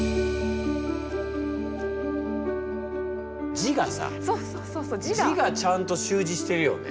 字がさ字がちゃんと習字してるよね。